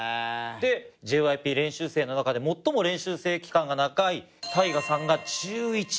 でＪＹＰ練習生の中で最も練習生期間が長いタイガさんが１１位です。